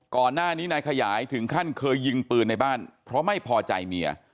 ก่อนหน้านี้นายขยายถึงขั้นเคยยิงปืนในบ้านเพราะไม่พอใจเมีย